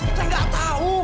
saya gak tahu